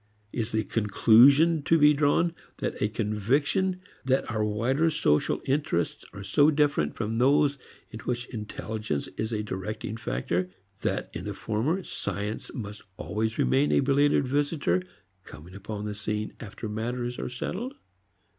Is the conclusion to be drawn a conviction that our wider social interests are so different from those in which intelligence is a directing factor that in the former science must always remain a belated visitor coming upon the scene after matters are settled?